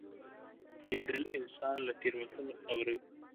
لیدل انسان له تېروتنو خبروي